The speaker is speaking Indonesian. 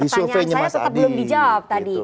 pertanyaan saya tetap belum dijawab tadi